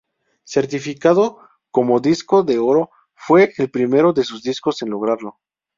Certificado como disco de oro, fue el primero de sus discos en lograrlo.